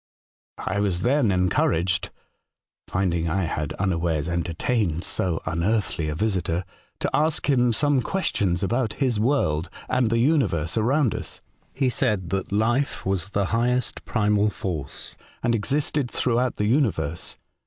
" I was then encouraged (finding I had un awares entertained so unearthly a visitor) to ask him some questions about his world and the universe around us. He said that life was the highest primal force, and existed through out the universe.